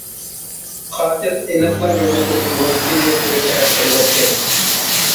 قاتىل ئېنىقلا يەنە بىر رومكىنى بىر تەرەپ قىلىۋەتكەن.